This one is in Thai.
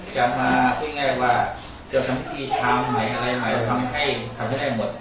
จะมาว่าจะทำที่ทำให้หมด